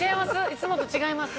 いつもと違います？